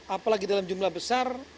apalagi dalam jumlah besar